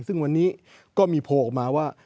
ซึ่งวันนี้ก็มีโผล่ออกมาว่า